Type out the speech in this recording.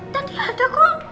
tadi ada kok